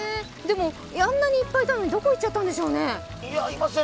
あんなにいっぱいいたのに、どこへ行っちゃったんでしょうね。